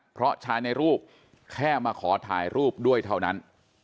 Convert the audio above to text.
เพราะชายในรูปแค่มาขอถ่ายรูปด้วยเท่านั้น